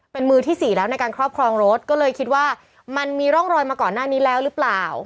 เป็นมือที่สี่แล้วในการครอบครองรถก็เลยคิดว่ามันมีร่องรอยมาก่อนหน้านี้แล้วหรือเปล่า